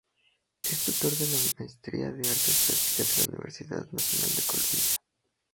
Es tutor de la maestría de artes plásticas de la Universidad Nacional de Colombia.